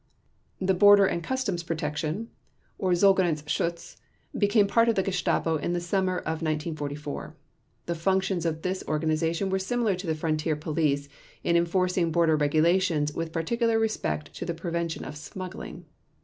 The border and customs protection or Zollgrenzschutz became part of the Gestapo in the summer of 1944. The functions of this organization were similar to the Frontier Police in enforcing border regulations with particular respect to the prevention of smuggling.